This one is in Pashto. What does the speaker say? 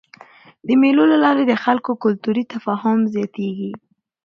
د مېلو له لاري د خلکو کلتوري تفاهم زیاتېږي.